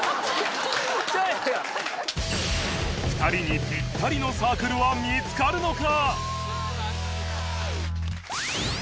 ２人にぴったりのサークルは見つかるのか？